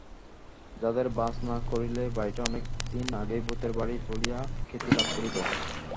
যাদব বাস না করিলে বাড়িটা অনেক দিন আগেই ভূতের বাড়ি বলিয়া খ্যাতিলাভ করিত।